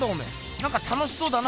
なんか楽しそうだな。